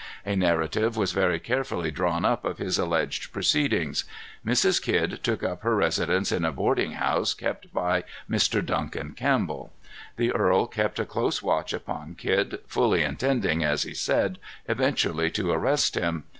A narrative was very carefully drawn up of his alleged proceedings. Mrs Kidd took up her residence in a boarding house kept by Mr. Duncan Campbell. The earl kept a close watch upon Kidd, fully intending, as he said, eventually to arrest him.